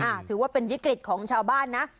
ถือว่าเป็นวิกฤตของชาวบ้านนะ